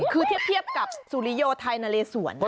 คือเทียบกับสุริโยไทยนาเลสวน